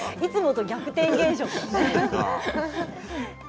いつもとは逆転現象で。